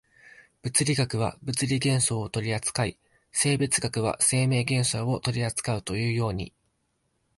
物理学は物理現象を取扱い、生物学は生命現象を取扱うというように、